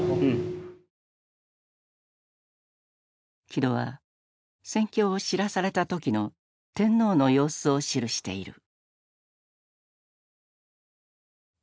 木戸は戦況を知らされた時の天皇の様子を記している。